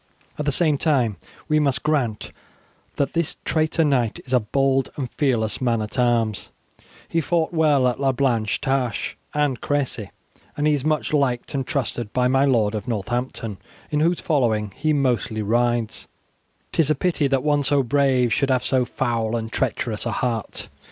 At the same time we must grant that this traitor knight is a bold and fearless man at arms; he fought well at La Blanche Tache and Cressy, and he is much liked and trusted by my lord of Northampton, in whose following he mostly rides; 'tis a pity that one so brave should have so foul and treacherous a heart.